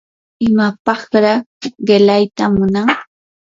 ¿imapaqraa qilayta munan?